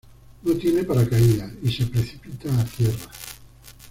No tiene paracaídas y se precipita a tierra.